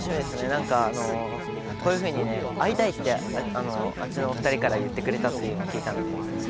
なんかこういうふうに会いたいって、あっちのお２人から言ってくれたというのを聞いたんで。